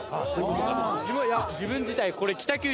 自分自体これ。